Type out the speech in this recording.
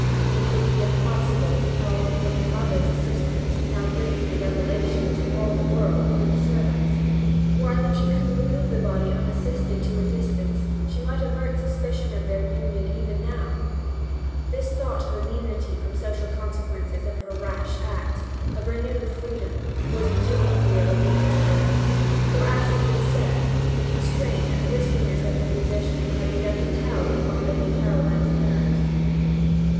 It would be impossible to call even her mother's assistance without risking a revelation to all the world through the servants; while if she could remove the body unassisted to a distance she might avert suspicion of their union even now. This thought of immunity from the social consequences of her rash act, of renewed freedom, was indubitably a relief to her, for, as has been said, the constraint and riskiness of her position had begun to tell upon the Lady Caroline's nerves.